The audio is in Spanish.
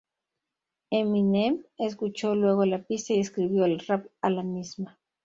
Eminem escuchó luego la pista, y escribió el rap a la misma"".